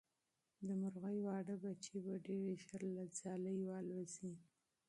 د مرغۍ واړه بچي به ډېر ژر له ځالې والوځي.